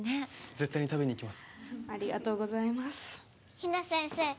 絶対に食べに行きますありがとうございます比奈先生